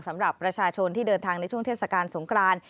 สำหรับประชาชนที่เดินทางในช่วงเทศกาลสงคราน